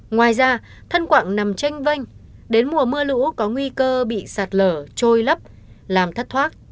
ngoài ra thân quạng nằm tranh vanh đến mùa mưa lũ có nguy cơ bị sạt lở trôi lấp làm thất thoát